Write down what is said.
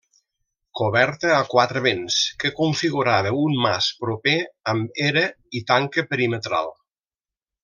Coberta a quatre vents que configurava un mas proper, amb era i tanca perimetral.